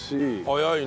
はい！